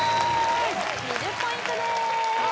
２０ポイントですさあ